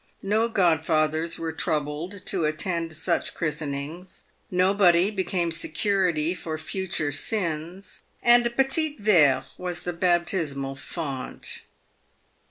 No godfathers were troubled to attend such christenings ; nobody became security for future sins ; and a petit verre was the baptismal font.